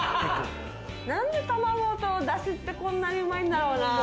何で、卵と、おだしってこんなにうまいんだろうなぁ。